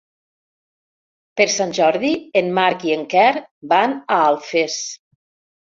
Per Sant Jordi en Marc i en Quer van a Alfés.